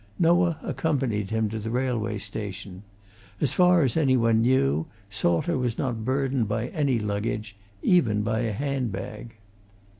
Noah accompanied him to the railway station. As far as any one knew, Salter was not burdened by any luggage, even by a handbag.